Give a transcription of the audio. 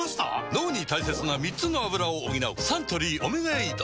脳に大切な３つのアブラを補うサントリー「オメガエイド」